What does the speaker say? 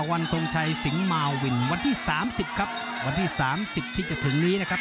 วันที่สามสิบครับวันที่สามสิบที่จะถึงนี้นะครับ